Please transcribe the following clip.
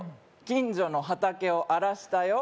「近所の畑を荒らしたよ」